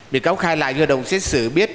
biện cáo khai lại ngư đồng xét xử biết